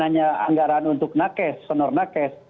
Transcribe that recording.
hanya anggaran untuk nakes